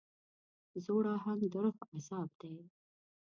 زوړ اهنګ د روح عذاب دی.